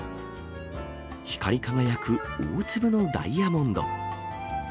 光り輝く大粒のダイヤモンド。